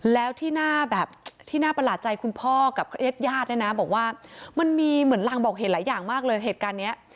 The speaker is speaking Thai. แล้วที่น่าแบบที่น่าประหลาดใจคุณพ่อกับญาติญาติเนี่ยนะบอกว่ามันมีเหมือนรางบอกเห็นหลายอย่างมากเลยเหตุการณ์นี้